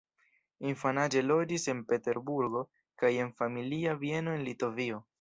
Infanaĝe loĝis en Peterburgo kaj en familia bieno en Litovio.